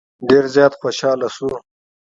ډېر زیات خوشاله شو.